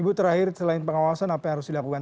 ibu terakhir selain pengawasan apa yang harus dilakukan